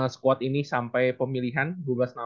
squad ini sampai pemilihan dua belas nama